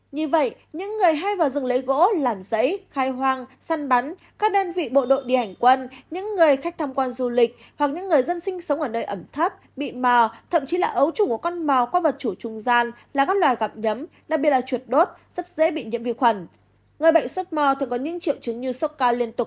như vậy những người hay vào rừng lấy gỗ làm giấy khai hoang săn bắn các đơn vị bộ đội đi hành quân những người khách thăm quan du lịch hoặc những người dân sinh sống ở nơi ẩm thấp bị mò thậm chí là ấu trùng của con mò qua vật chủ trung gian là các loài gặm nhấm đặc biệt là chuột đốt rất dễ bị nhiễm vi khuẩn